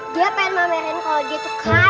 dia pengen memainin kalau dia itu kaya